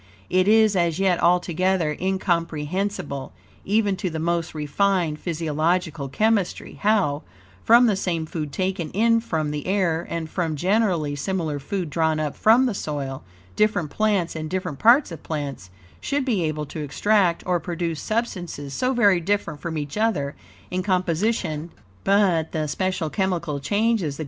It is as yet altogether incomprehensible, even to the most refined physiological chemistry, how, from the same food taken in from the air, and from generally similar food drawn up from the soil, different plants, and different parts of plants, should be able to extract or produce substances so very different from each other in composition and in all of their properties.